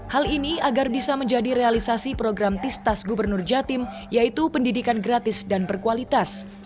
hal ini agar bisa menjadi realisasi program tistas gubernur jatim yaitu pendidikan gratis dan berkualitas